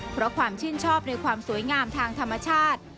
เพราะความชื่นชอบในความสวยงามทางธรรมชาติ